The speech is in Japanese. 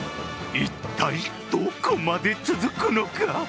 一体、どこまで続くのか。